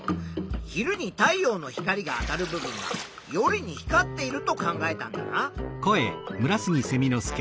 昼に太陽の光が当たる部分が夜に光っていると考えたんだな。